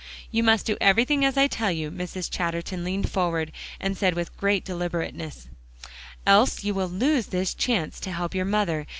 "You must do everything as I tell you," Mrs. Chatterton leaned forward, and said with great deliberateness, "else you will lose this chance to help your mother.